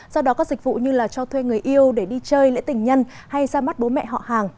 do đó các dịch vụ như là cho thuê người yêu để đi chơi lễ tình nhân hay ra mắt bố mẹ họ hàng